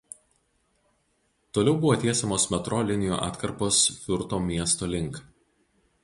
Toliau buvo tiesiamos metro linijų atkarpos Fiurto miesto link.